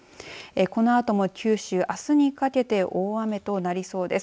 このあとも九州、あすにかけて大雨となりそうです。